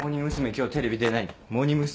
今日テレビ出ない。